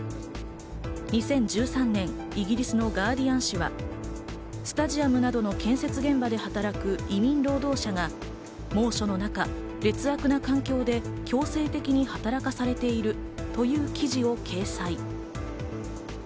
２０１３年、イギリスのガーディアン紙はスタジアムなどの建設現場で働く移民労働者が猛暑の中、劣悪な環境で強制的に働かされているという記事を掲載。